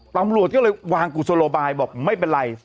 ตำรวจก็เลยวางกุศโลบายบอกไม่เป็นไร